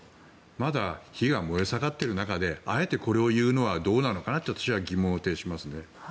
まだ火が燃え盛っている中であえてこれを言うのはどうなのかなって私は疑問を呈しますね。